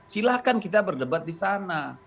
silahkan kita berdebat di sana